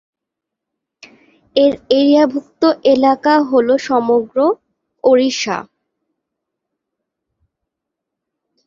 এর এক্তিয়ারভুক্ত এলাকা হল সমগ্র ওড়িশা।